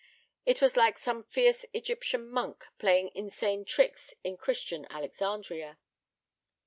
It was like some fierce Egyptian monk playing insane tricks in Christian Alexandria.